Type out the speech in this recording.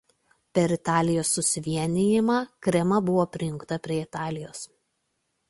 Per Italijos suvienijimą Krema buvo prijungta prie Italijos.